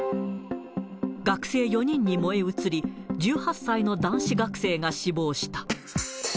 学生４人に燃え移り、１８歳の男子学生が死亡した。